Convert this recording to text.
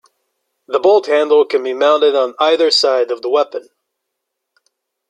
The bolt handle can be mounted on either side of the weapon.